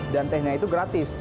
dan tehnya itu gratis